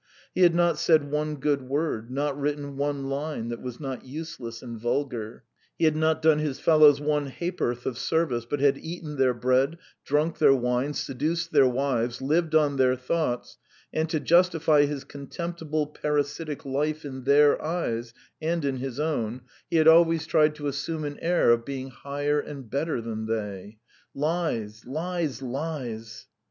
He had not said one good word, not written one line that was not useless and vulgar; he had not done his fellows one ha'p'orth of service, but had eaten their bread, drunk their wine, seduced their wives, lived on their thoughts, and to justify his contemptible, parasitic life in their eyes and in his own, he had always tried to assume an air of being higher and better than they. Lies, lies, lies.